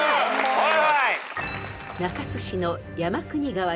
はい。